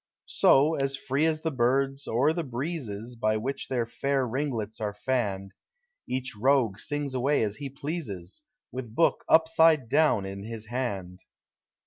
So, as free as the birds, or the breezes By which their fair ringlets are fanned, 1 10 POEllti OF HOME. Each rogue sings away as he pleases, With book upside down in his hand.